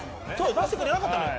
出してくれなかったのよ。